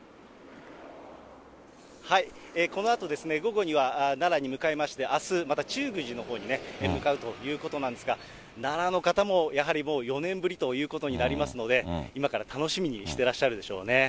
このあとですね、午後には奈良に向かいまして、あすまた中宮寺のほうにね、向かうということなんですが、奈良の方もやはりもう４年ぶりということになりますので、今から楽しみにしてらっしゃるでしょうね。